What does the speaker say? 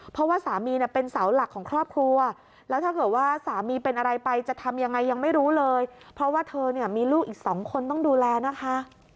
เพราะว่าสามีเนี่ยเป็นเสาหลักของครอบครัวแล้วถ้าเกิดว่าสามีเป็นอะไรไปจะทำยังไงยังไม่รู้เลยเพราะว่าเธอเนี่ยมีลูกอีกสองคนต้องดูแลนะคะ